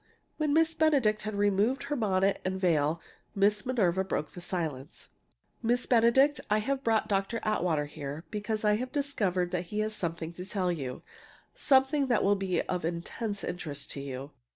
When Miss Benedict had removed her bonnet and veil Aunt Minerva broke the silence: "Miss Benedict, I have brought Dr. Atwater here because I have discovered that he has something to tell you something that will be of intense interest to you.